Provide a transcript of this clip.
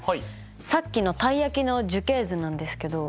さっきのたい焼きの樹形図なんですけど。